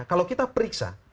kalau kita periksa